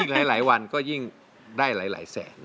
หลายวันก็ยิ่งได้หลายแสน